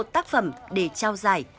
một mươi một tác phẩm để trao giải